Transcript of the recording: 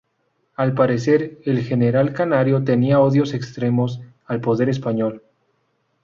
Al parecer, el general canario tenía "odios extremos al poder español".